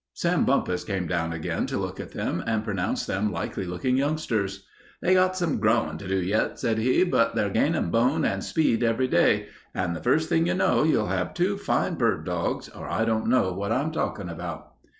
Sam Bumpus came down again to look at them and pronounced them likely looking youngsters. "They've got some growin' to do yet," said he, "but they're gainin' bone and speed every day, and the first thing you know you'll have two fine bird dogs, or I don't know what I'm talking about."